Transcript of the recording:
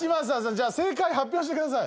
じゃあ正解発表してください。